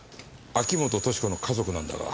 秋本敏子の家族なんだが。